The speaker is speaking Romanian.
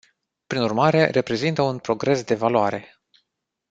Prin urmare, reprezintă un progres de valoare.